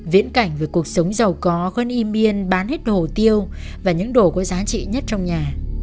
viễn cảnh về cuộc sống giàu có gần imean bán hết đồ hồ tiêu và những đồ có giá trị nhất trong nhà